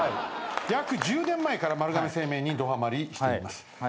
約１０年前から丸亀製麺にどはまりしています。